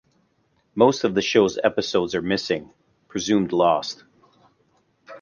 Most of the show's episodes are missing, presumed lost.